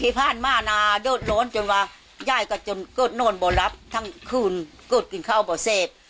พี่พ่านมานานาโดดโล้นจนว่ายายก็จนโกดโน่นบ่รับทั้งคืนโกดกินข้าวบ่เซฟ